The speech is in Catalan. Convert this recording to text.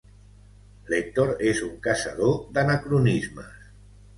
L'Èctor és un caçador d'anacronismes.